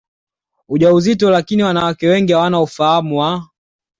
ujauzito lakini wanawake wengi hawana ufahamu wa